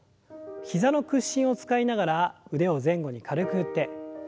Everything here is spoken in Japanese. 膝の屈伸を使いながら腕を前後に軽く振って。